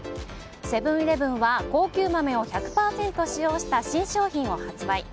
セブン‐イレブンは高級豆を１００％使用した新商品を発売。